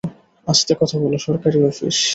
আস্তে কথা বলো, সরকারি অফিস।